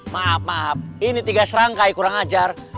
maaf maaf ini tiga serangkai kurang ajar